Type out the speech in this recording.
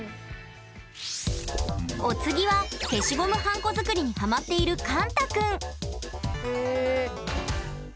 お次は消しゴムはんこ作りにハマっているかんたくんへ。